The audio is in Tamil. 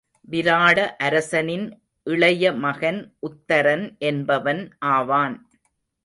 விராட அரசனின் இளைய மகன் உத்தரன் என்பவன் ஆவான்.